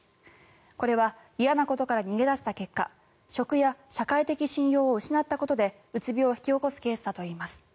これは嫌なことから逃げ出した結果職や社会的信用を失ったことでうつ病を引き起こすケースだといいます。